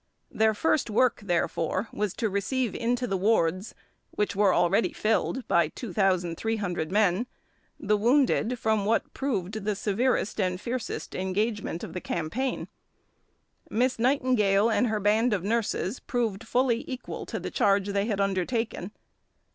Their first work, therefore, was to receive into the wards, which were already filled by 2300 men, the wounded from what proved the severest and fiercest engagement of the campaign. Miss Nightingale and her band of nurses proved fully equal to the charge they had undertaken.